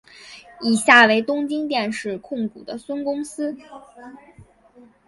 以下为东京电视控股的孙公司。